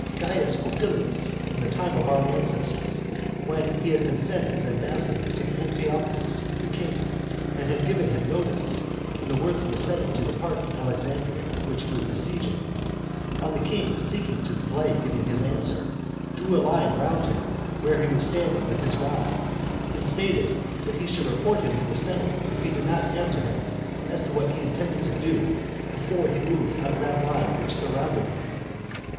Caius Popillius, in the time of our ancestors, when he had been sent as ambassador to Antiochus the king, and had given him notice, in the words of the senate, to depart from Alexandria, which he was besieging, on the kings seeking to delay giving his answer, drew a line round him where he was standing with his rod, and stated that he should report him to the senate if he did not answer him as to what he intended to do before he moved out of that line which surrounded him.